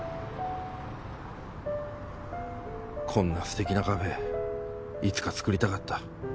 こんな素敵なカフェいつか作りたかった。